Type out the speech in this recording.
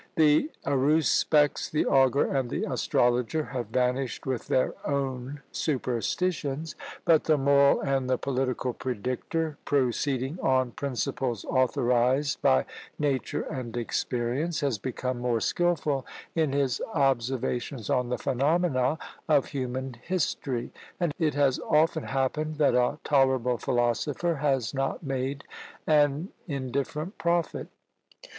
The aruspex, the augur, and the astrologer have vanished with their own superstitions; but the moral and the political predictor, proceeding on principles authorised by nature and experience, has become more skilful in his observations on the phenomena of human history; and it has often happened that a tolerable philosopher has not made an indifferent prophet.